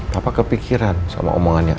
papa kepikiran sama omongannya